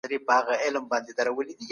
د زړه روغتیا ډېره مهمه ده.